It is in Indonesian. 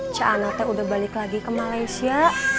ca anaknya udah balik lagi ke malaysia